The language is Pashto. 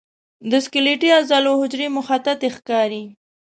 د سکلیټي عضلو حجرې مخططې ښکاري.